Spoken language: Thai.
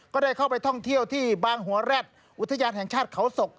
ก็ได้เข้าไปท่องเที่ยวที่บางหัวแร็ดอุทยานแห่งชาติเขาศก